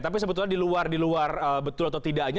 tapi sebetulnya di luar betul atau tidaknya